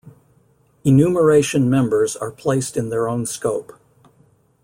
Enumeration members are placed in their own scope.